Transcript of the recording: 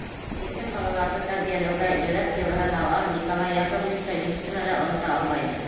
Етем балаларҙы тәрбиәләүгә йөрәк йылыһын һалған Николай Яковлевты һис кенә лә онота алмайым.